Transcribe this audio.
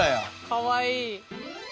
かわいい。